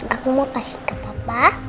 aku mau kasih ke papa